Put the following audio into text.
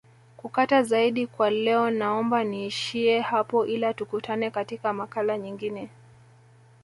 kutaka zaidi kwa leo naomba niishie hapo ila tukutane katika makala nyingine